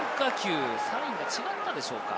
最後サインが違ったでしょうか？